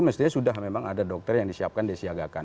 mestinya sudah memang ada dokter yang disiapkan disiagakan